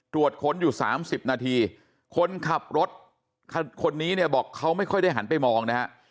ค้นอยู่๓๐นาทีคนขับรถคันนี้เนี่ยบอกเขาไม่ค่อยได้หันไปมองนะฮะ